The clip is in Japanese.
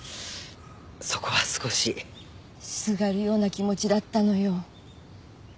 そこは少しすがるような気持ちだったのよ